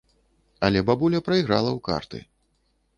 Але бабуля прайграла ў карты.